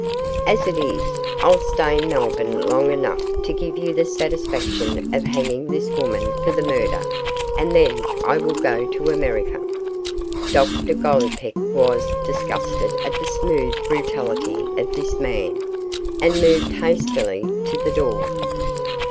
As it is, I'll stay in Melbourne long enough to give you the satisfaction of hanging this woman for the murder, and then I will go to America.' Dr Gollipeck was disgusted at the smooth brutality of this man, and moved hastily to the door.